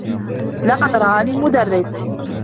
لقد رآني المدرّس.